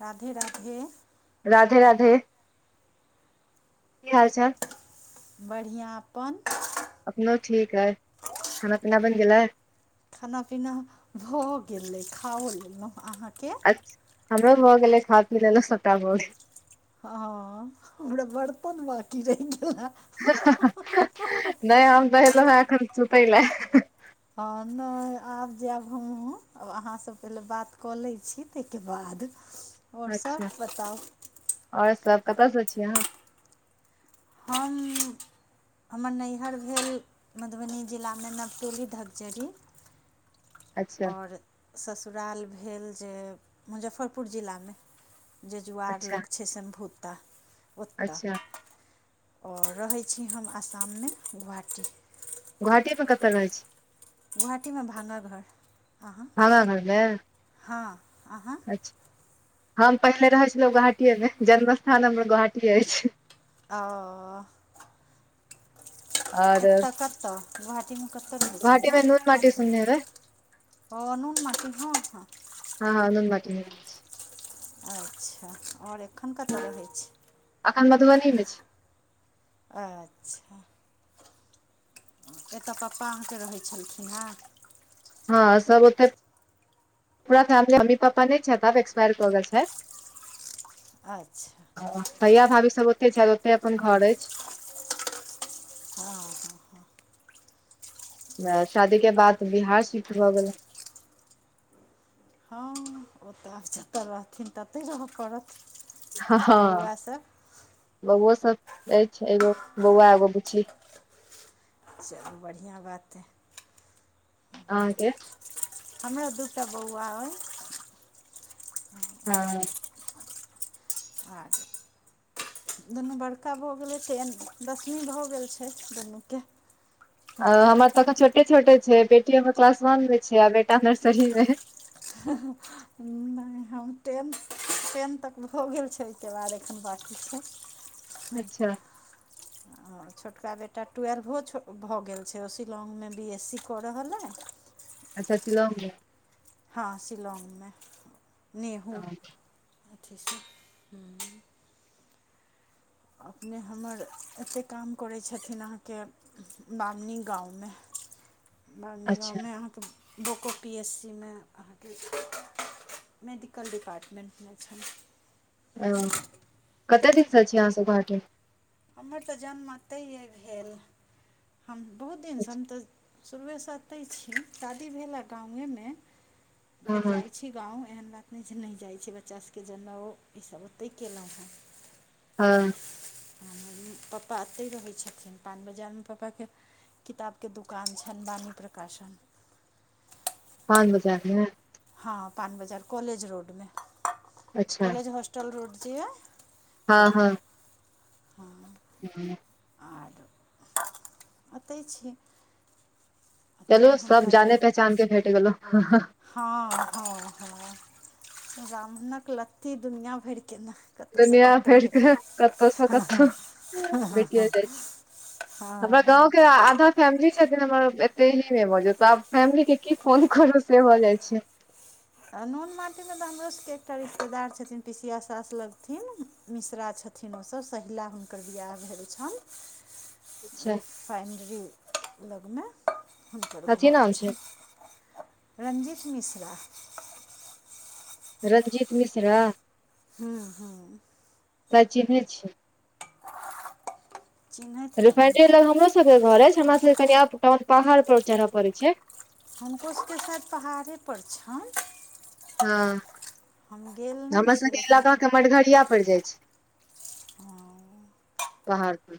राधे राधे राधे राधे की हाल चाल बढ़ियां अपन अपनो ठीक है खाना पीना बैन गेलइ खाना पीना भऽ गेले खाओ लेलऊं अहाँके हमरो भऽ गेलै खा पी लेलऊं सबका भऽ गेलै हं हमरो बर्तन बाकी रैह गेले नहि हम त अल्लो हाँ अखन सुते लान हँ नहि आब जायब हमहुँ आब अहाँसँ पहिले बात कऽ लैत छी तैके बाद आओर सब बताउ और सब कत सँ छि अहाँ हम हमर नैहर भेल मधुबनी जिला में नवटोली धकचरी अच्छा और ससुराल भेल जे मुजफ्फरपुर जिला में जे जुआर अच्छा लग छै सनभुता ओत अच्छा और रहै छी हम आसाम में गुहाटी गुहाटी में कतऽ रहै छी गोहाटी में मे भानह घर अहाँ भानह घर में हां अहाँ हम पहिले रहै छलहुँ गुहाटी मे जन्म स्थान हमर गुहाटीए अछि अ आओर कत कत गुहाटी में कत रहै छलियै गोहाटीमे नून माटी सुनने हेबै आब ओ नुन म हँ हँ हं एहन बात नहि छै अच्छा और एखन कतऽ रहै छै अखन मधुबनी में छि अच्छा एतऽ पप्पा अहाँ के रहै छलखिन हन हँ सब ओते पूरा फैमिली मम्मी-पापा नय छैथ अब एक्सपायर क गेल छैथ अच्छा भैया भाभी सब ओते छै ओते अपन घर ऐछ हँ ह हँ शादी के बाद बिहार सिफ्ट भऽ गेलुं हँ ओतऽ अब जतऽ रहथिन तते रहऽ पड़त हाँ हाँ बौआ सब बौओ सब ऐछ एगो बौआ एगो बुच्ची चलू बढ़ियां बात ऐ अहाँ के हमरा दूटा बौआ अए अ अच्छा [inaudible] [inaudible] दुनू बड़का भऽ गेलै छेन दसमी भऽ गेल छै दुनूके आ हमर अखन छोटे छोटे छै बेटी हमर क्लास वन मे छै आ बेटा नर्सरी मे नय हम टेंथ टेन तक भऽ गेल छै ओइके बाद एखन बकी छै हुं अच्छा [inaudible] ह छोटका बेटा ट्वेल्वो छ भऽ गेल छै ओ शिलागमे बी एस सी कऽ रहल ऐ अच्छा शिलौंग मे हँ शिलौंग मे नेहु हँ, अथीसँ अपने हमर एते काम करै छथिन अहाँके नानी गाँव में नानी गाँव अच्छा में अहा तऽ बोको पी एस सी मे अहाँके मेडिकल डिपार्टमेन्टमे छैन ओ कतय दिनसँ छीयै अहाँसभ गुहाटी हमर तऽ जन्मअतहिए भेल हम बहुत दिनसँ अच्छा, हम तऽ शुरुएसँ अतै छी शादी भेल आर गांवेमे फेर हँ हँ जाइ छी गाँव एहन बात नय जे नय जाइ छै बच्चा सभके जनउ ईसभ ओतहि केलहुँ हेँ हँ हम मम्मीपप्पा एतय रहै छथिन पान बजारमे पापाके किताबके दोकान छैन वाणी प्रकाशन पान बजारमे हँ पान बाजार कॉलेज रोडमे अच्छा कॉलेज होस्टल रोड जे यइ ओइमे हँ हूँ ओर ओतै छी चलो ओतहि सब हुनका जाने जो पहचान के भेट गेलो, हँ हँ हँ हँ हँ ब्राह्मणक लत्ती दुनिया भेर के न दुनिया भेरके कतोसँ कतो भेटिया जाइ छै हमरा गाँंव हँ के आ आद फैमिली छथिन हमर एते ही मे मोजूद आब फैमिली के की फोन करू से भऽ जाइ छै आ नून माटीमे तऽ हमरो सबके एकटा रिश्तेदार छथिन पिसिया सास लगथिन। मिश्रा छथिन ओसब सहिला हुनकर बिआह भेल छन। अच्छा रिफाइनड्री लगमे हुनकर कथी घर नाम छै छन रंजीत मिश्रा। रंजीत मिशरा हुँ हुँ। ताई चिन्हनै छियै चिन्हैत हेबनि रिफाइंडे लग हमरो सबके के घर अछि हमरा सबके कनि अप टाउन पहाड़ पर चढ़य पड़ै छै। हुनको सबके सायद पहाड़ेपर छनि। हँ हम गेल नहि हमर छी सबके लेकिन इलाकाके मनघरिया परि जाइ छै। हँ। पहाड़पर।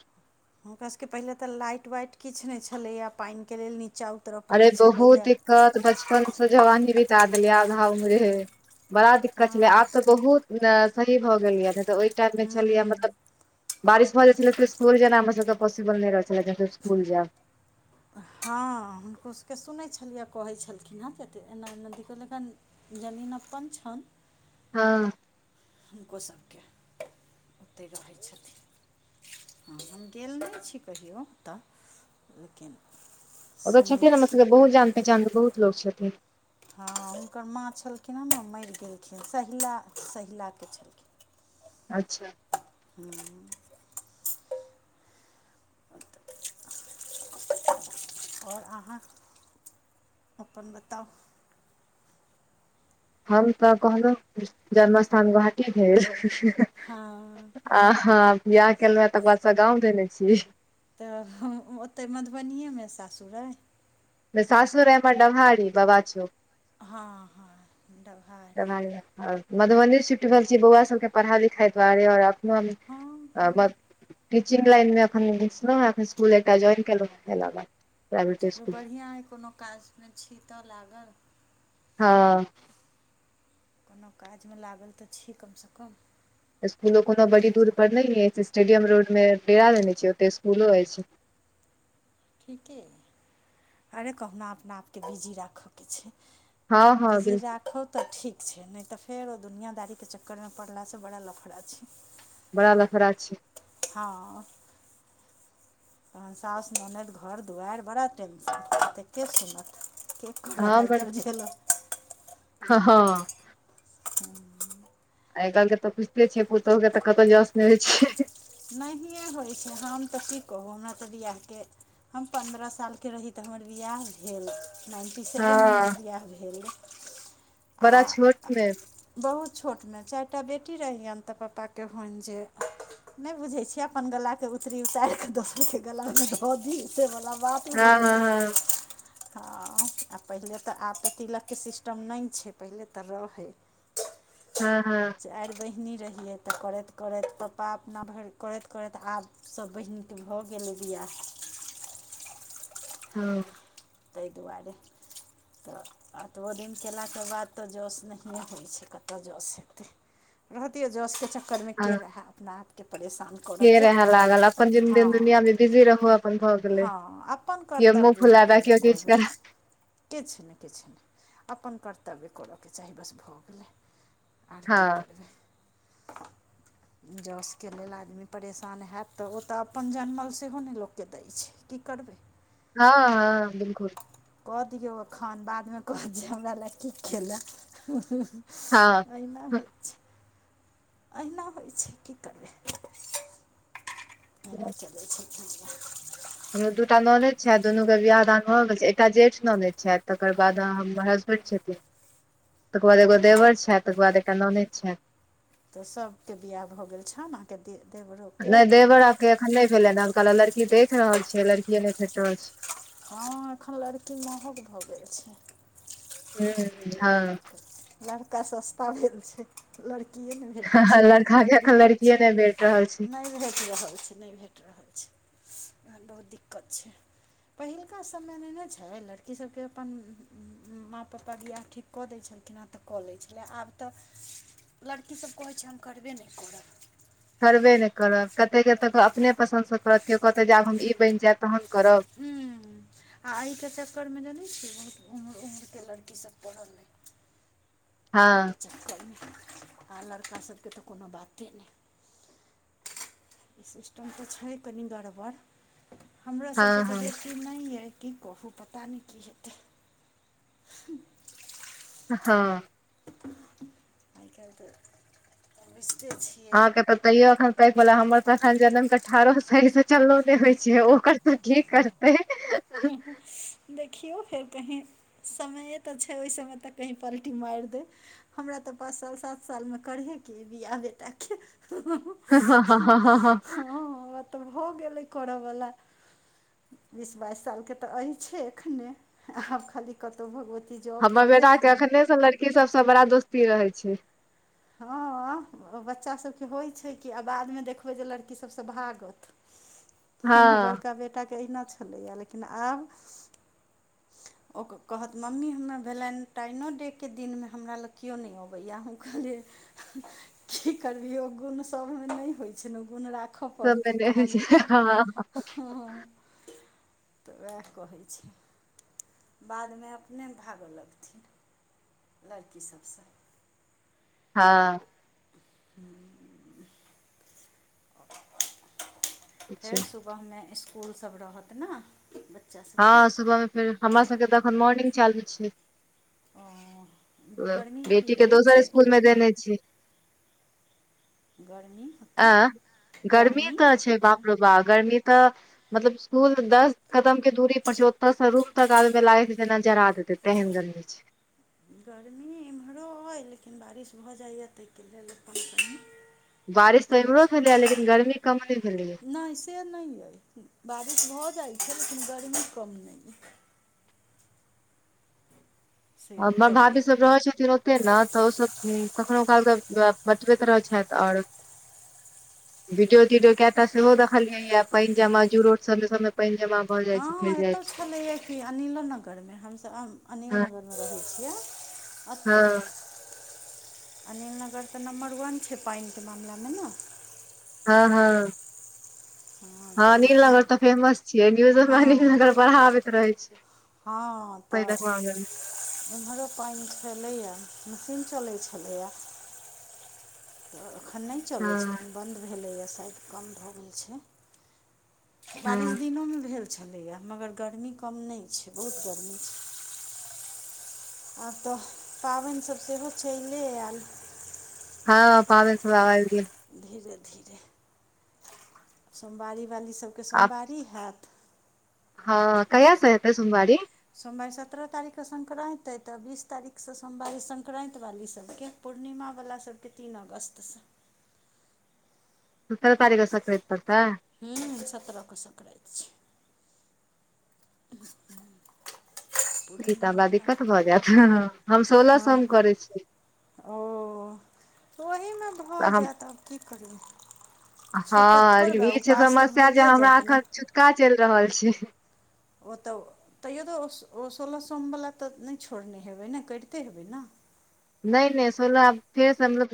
हुनका सबके पहिनेे तऽ लाइट वाइट किछु नै छलैया पानि के लेल नीचा अरे बहुत दिक्कत बचपन स जवानी बिता देलियै आधा उम्रे। बड़ा दिक्कत छलै हँ आब तऽ बहुत न सही भऽ गेलिया तऽ ओहि टाइम मे छलियै मतलब हूँ बारिश भ जाइ छला तऽ इस्कुल जेनाय हमरा सब के पौसिबल नै रहै छलै जे हम सब इस्कूल जाएब। हँ हुनकोसबके सुनै छलिया कहै छलखिन हेँ किएत एना एना नदी लेकन। जमीन अपन छन हँ। हुनको सबके ओतहि रहै छथिन। हँ हम गेल नै छी कहियो तऽ लेकिन ओत सुनै छथिन हमर छी सबके बहुत जान पहचानके बहुत लोक छथिन। हँ हुनकर माँ छलखिन हँ ने मरि गेलखिन सहिला सहिलाके छलखिन। अच्छा। हूँ आओर अहाँ अपन बताउ। हम तऽ कहलौं जन्म अस्थान गोहाटी भेल हँ। आ हाँ बियाह केलहुए तैके बाद सँ गाँव देने छी तऽ हम ओतय मधुबनियेमे सासुर अइ। सासुर अई हमर डभाहारी बाबा छोक हाँ हाँ [unintelligible] मधुबनी सिफ्ट भेल छि बौआ सबके पढ़ाइ लिखाइ दुआरे आओर अपनो हँ हँ आ टीचिंग लाइनमे एखन घुसलौंहें इसकुल एकटा ज्वइन केलहुँलहें तैलक चलू बढ़िआँ अइ कोनो काजमे छीतऽ लागल हाँ कोनो काजमे लागल तऽ छी कमस कम इस्कूलो कोनो बड़ी दूर पर नै अछि स्टेडियम रोडमे डेरा लेने छिये ओते इस्कूलो अइछ। ठीकेयै अरे कहुना अपना आपके बिजी राख के छैय। हँ हँ बीजी बिलकुल राखोक तऽ ठीक छैय नै तऽ फेर ओ दुनियाँ दारीके चक्करमे पड़लासँ बड़ा लफड़ा छैय। बड़ा लफड़ा छैय। हाँ तहन सउस ननैद घर दुआरि बड़ा टेन्शन एते के सुनत के करत आइ काइल झेल हा हा हूँ। आइ काल के तऽ बुझते छियै पुतहु के तऽ कतहु जस नहि होई छैय। नहिए होई छैय हम तऽ कि कहू हमरा तऽ बियाहके हम पन्द्रह सालके रही तऽ हमर विआह भेल। नाइन्टी सेवनमे हँ हमर वियाह भेल या बड़ा आ छोट मे बहुत छोटमे चाएटा बेटी रहियनि तऽ पापाके होनि जेय नहि बुझै छियै अपन गलाके उतरी उतार कऽ दऽ गलामे धऽ दी उसैवला बात। हँ ओहो हँ गेले हा आ पहिले तऽ आब तऽ तिलके सिस्टम नहि छैय पहिले तऽ रहै। हा हा चारि बहिनी रहियै तऽ करैत करैत पप्पा अपना भरि करैत करैत आब सभ बहिनके भऽ गेलै वियाह हा तै दुआरे तऽ एतबो दिन कयलाके बाद तऽ जस नहि होई छैय कतय जस हेतै। रहतियै जस के चक्करमे के हँ रहै अपना आप के परेशान को नै के जो रहे लागल अपन दिन दिन हाँ दुनिया मे बिजी रहू अपन भऽ गेलै अपन केओ मुँह कर्तव्य फुला दे केओ किछु करब करै किछ नहि किछ नहि। अपन कर्तव्य करयके चाही बस भऽ गेलै आर कि हँ करबै [inaudible] जसके लेल आदमी परेशान हयैत तऽ ओ तऽ अपन जनमल सेहो नहि लोग के दै छैय। कि करबै हाँ हाँ बिल्कूल कऽ दियौ एखन बादमे कहत जै हमरा लेए कि केलय हा एहिना हो छै एहिना होई छैय कि करबे ऐहना चलै छैय दुनिया। हमरो दू टा ननद छथि दुनूके वियह दान भऽ गेल छैय एकटा जेठ ननने छथि तकर बाद हमर हसबैड छथिन [inaudible] तकर बाद एगो हँ देवर छथिन तकर बाद एकटा ननद छथि तऽ सभके वियाह भऽ गेल छौ ने के दे देबड़ो। नहि देवर आबके एखन नहि भेलै हन आब लड़की देख रहल छै लड़किए नहि भेट रहल छै ह एखन लड़की मंहग भऽ गेल छै छै हूँ लड़का सस्ता भेल छै। लड़किए ने भेटै हँ छै एखन लड़का बड़ के दिक्कत लड़किये छै नहि भेट रहल छै नहि। भेट रहल छै नहि भेट रहल छै वैह बहुत दिक्कत छै। पहिलुका समय नैन छै लड़की सभके अपन माँ पप्पा वियाह ठीक कऽ दै छलखिन हे तऽ कऽ लै छलै आब तऽ लड़की सभ कहैत छै हम करबे नहि करब करबे नहि करत कतेक केतऽ करबै नहि अपने पसन्दसँ करत केओ कहतै जे आब हम ई बनि जायब तहन करब। हू। आ एहिके चक्करमे जनै छियै बहुत उम्र उम्रके लड़की सभ पढ़ल आइ अय के हँ चक्कर मे आ लड़का सभके तऽ कोनो बाते नहि ई सिस्टम तऽ छै कनि गरबर हमर सबके हँ तऽ हँ बेटी नय यऽ की कहू पता नय की हेतै हँ आइ काइल तऽ बुझते छी अहाँके तऽ तैयो एखैन पैघ भलै हमर तऽ एखैन जनैम कऽ ठारो सही सँ चललो नय होइ छै ओकर तऽ की करतै हुँ हुँ देखियौ फेर कही समये तऽ छै ओहि समय तक कही पल्टी माइर दै हमरा तऽ पाँच साल सात साल मे करहे केँ यऽ बियाह बेटा केँ हँ हमरा तऽ भऽ गेलै करऽ वला वि बाइस साल केँ तऽ अइछै एखने आब खाली कतौ भगवती जॉब दऽ देथुन की सबसँ बड़ा दोस्ती रहे छै हँ बच्चा सभ केँ होइ छै की आ बादमे देखबै जे लड़की सभ से भागत हमरो हँ बड़का बेटा केँ अहिना छलै यऽ लेकिन आब ओ कहत मम्मी हमरा वलेन्टाइनो डे केँ दिन मे हमरा लग केओ नय अबैय कहलिए की करबिहि ओ गुण सभमे नय होय छै नऽ ओ गुण रा ख सबमे पड़तौ नहि होइ तहन छै हँ एतहुँ तऽ वैह कहै छी बादमे अपने भागऽ लगथिन लड़की सभ सँ हँ [unintelligible] फोर छै। सु बहमे इस्कूल सभ रहत नऽ हँ सुबहमे फेर हमरा सभके तऽ एखन मॉर्निंग चालू छै ओ गर्मी की बेटी केँ बहुत दोसर छै की इसकुल मे देने छी गरमी अ गर्मी तऽ छै बाप रो बा गर्मी मतलब इसकूल दस कदम केँ दूरी पर छै ओतऽ सँ रूम तकऽ आबइ मे लागत जेना जरा देते तेहन गर्मी छै गर्मी एम्हरो अइ लेकिन बारिश भऽ जाइए ताहि कऽ लेल अपन कनी बारिश तऽ एम्हरो भेलैए लेकिन गर्मी कम नय भेलैए नहि से नैइ य बारिश भऽ जाइत छै लेकिन गर्मी कम नय छै से हमर एतौ अइ भाभी सभ रहै छथिन ओ ते नऽ तऽ ओसभ कखनो काल कऽ पबैत रहैत छथि आओर वीडियो तिडियो कैय टा सेहो देखलियै यऽ पाइन जमा जूरोड सभ मे सब मे पाइन जमा भऽ जाइ छै हँ भरि जाइ एतौ छै छले यऽ की अनिलो नगर मे हमसभ अनिल हँ नगर मे रहै छियै एतो हँ अनीलनगर तऽ नम्बर वन छै पाइन केँ मामला मे नऽ हँ हँ हँ तऽ अनील नगर ओहिठमा तऽ फेमस छियै न्यूज मे अनील हँ नगर बड़हाबैत रहै छै। हँ तऽ पानिक मामला मे एम्हरो पाइन छलैय मशीन चलै छलैय तऽ एखन नय चलै छै, हँ एखन बन्द भेलैय साइद कम भऽ गेल छै। बारिश हँ दिनो मे भेल छलै य, मगर गर्मी कम नय छै, बहुत गर्मी छै। आब तऽ पाबैन सभ सेहो चैले एयल हँ पाबैन सब आब आइब गेल धीरे धीरे सोमवारी वाली सभ केँ आब सोमवारी हैत हँ कहियाँ से हेतै सोमवारी सोमवारी सत्रह तारीख केँ संक्रान्ति अइ तऽ बीस तारीखसँ सोमवारी संक्रान्ति वाली सभ केँ पूर्णिावला सब वला केँ तीन अगस्त सत्रह तारीख संक्रांत पड़तै हूँ सत्ररह कऽ संक्रात छै [unintelligible] ई तऽ हमरा दिक्कत पूर्णिमावलाके भऽ जायत हम सोलह हँ सोम करै छी ओ ओहीमे भऽ तऽ हम जायत आब की करियै हँ ई छै समस्या जे भइए हमरा जायत ने एखन छुतका चैल रहल छै ओ तऽ तैयो तऽ ओ सोलह सोमवला तऽ नै छोड़ने हेबै ने करिते हेबै न नै नै सोलह फेर से मतलब